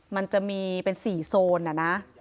มันจะมีเป็น๔โซนอะนะ